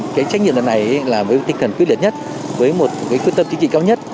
trách nhiệm lần này là với tinh thần quyết liệt nhất với quyết tâm chính trị cao nhất